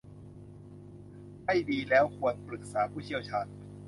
ให้ดีแล้วควรปรึกษาผู้เชี่ยวชาญ